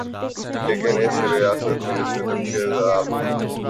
لیکن اس ریاست میں نچلے طبقات اس عذاب میں ہوں۔